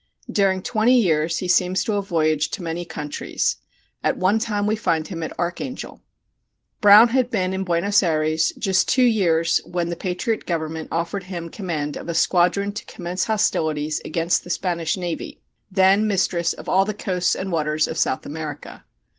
During twenty years he seems to have voyaged to many countries; at one time we find him at Archangel. Brown had been in Buenos Ayres just two years when the patriot government offered him command of a squadron to commence hostilities against the Spanish navy, then mistress of all the coasts and waters of South America.